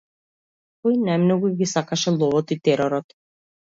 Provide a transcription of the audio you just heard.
Тој најмногу ги сакаше ловот и теророт.